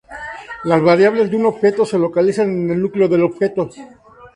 Las variables de un objeto se localizan en el núcleo del objeto.